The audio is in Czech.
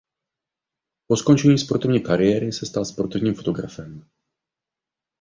Po ukončení sportovní kariéry se stal sportovním fotografem.